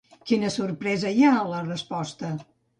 Quina sorpresa hi ha a la resposta?